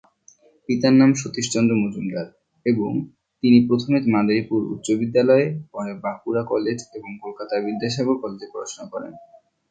পিতার নাম সতীশ চন্দ্র মজুমদার এবং তিনি প্রথমে মাদারীপুর উচ্চ বিদ্যালয়ে, পরে বাঁকুড়া কলেজ এবং কলকাতার বিদ্যাসাগর কলেজে পড়াশুনা করেন।